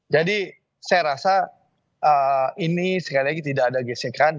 jadi saya rasa ini sekali lagi tidak ada gesekan